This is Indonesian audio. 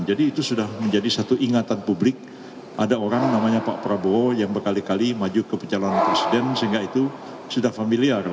jadi itu sudah menjadi satu ingatan publik ada orang namanya pak prabowo yang berkali kali maju ke pencalonan presiden sehingga itu sudah familiar